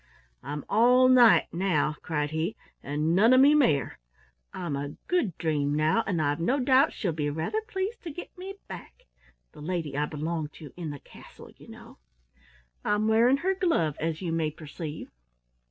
"I'm all knight now," cried he, "and none of me mare. I'm a Good Dream now, and I've no doubt she'll be rather pleased to get me back the lady I belong to in the castle, you know. I'm wearing her glove, as you may perceive."